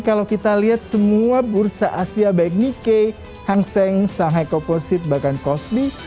kalau kita lihat semua bursa asia baik nikkei hang seng shanghai co bank bahkan kospi